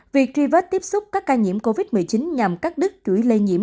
việc tri vết tiếp xúc các ca nhiễm covid một mươi chín nhằm các đức rủi lây nhiễm